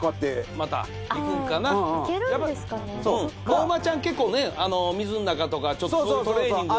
お馬ちゃん結構水ん中とかちょっとそういうトレーニング。